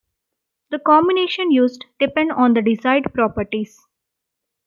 The combinations used depend on the desired properties.